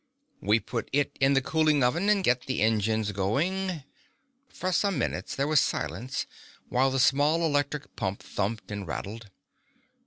We put it in the cooling oven and set the engines going " For some minutes there was silence while the small electric pump thumped and rattled.